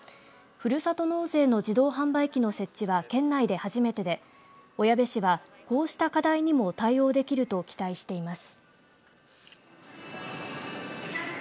ふるさと納税の自動販売機の設置は県内で初めてで小矢部市はこうした課題にも対応できると期待しています。